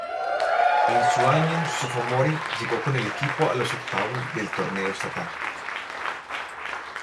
En su año sophomore llegó con el equipo a los octavos del "torneo estatal".